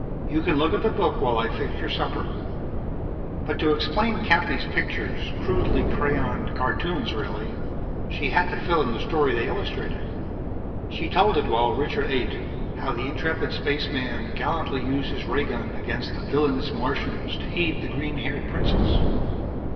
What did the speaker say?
"You can look at the book while I fix your supper." But to explain Cappy's pictures crudely crayoned cartoons, really she had to fill in the story they illustrated. She told it while Richard ate: how the intrepid Spaceman gallantly used his ray gun against the villainous Martians to aid the green haired Princess.